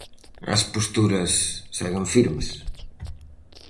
As posturas seguen firmes.